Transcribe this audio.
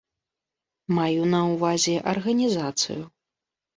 Маю на ўвазе арганізацыю.